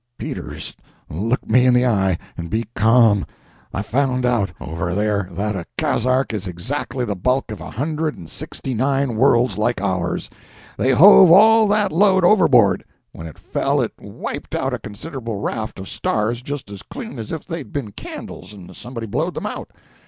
Peters, look me in the eye, and be calm. I found out, over there, that a kazark is exactly the bulk of a hundred and sixty nine worlds like ours! They hove all that load overboard. When it fell it wiped out a considerable raft of stars just as clean as if they'd been candles and somebody blowed them out.